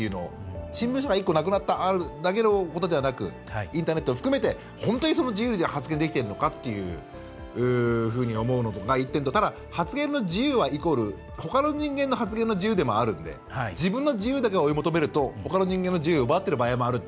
新聞社が１個なくなったことだけということではなくインターネット含めて本当に自由に発言できてるのかと思うのが１点とただ、発言の自由はほかの人間の発言の自由でもあるので自分の自由だけを追い求めるとほかの人間の自由を奪うこともあると。